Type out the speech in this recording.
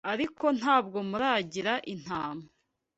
ariko ntabwo muragira intama